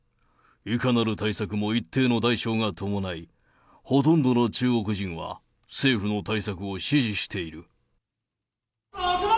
いかなる対策も一定の代償が伴い、ほとんどの中国人は、政府の対策を支持している。